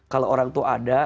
kalau orang itu ada